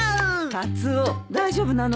カツオ大丈夫なのかい？